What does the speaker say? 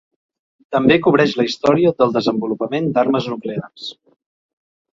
També cobreix la història del desenvolupament d'armes nuclears.